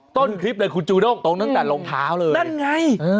ต้นคลิปเลยคุณจูน้องนั่นไงตรงตั้งแต่รองเท้าเลย